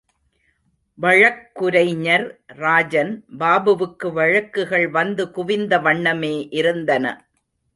வழக்குரைஞர் ராஜன் பாபுவுக்கு வழக்குகள் வந்து குவிந்த வண்ணமே இருந்தன.